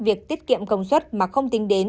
việc tiết kiệm công suất mà không tính đến